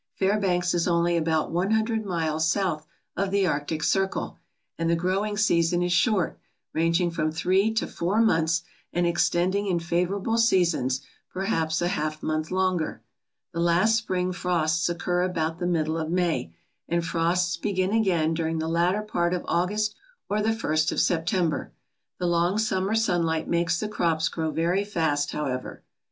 Fairbanks is only about one hundred miles south of the Arctic Circle, and the growing season is short, ranging from three to four months, and extending in favourable seasons perhaps a half month longer. The last spring frosts occur about the middle of May, and frosts begin again during the latter part of August or the first of September. The long summer sunlight makes the crops grow very fast, however.